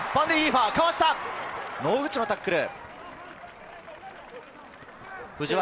野口のタックル。